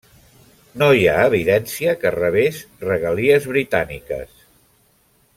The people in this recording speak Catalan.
No hi ha evidència que rebés regalies britàniques.